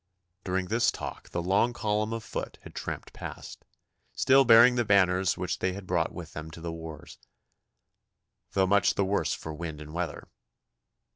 During this talk the long column of foot had tramped past, still bearing the banners which they had brought with them to the wars, though much the worse for wind and weather.